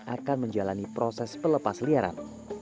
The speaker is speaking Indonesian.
akan menjalani proses pelepas liaran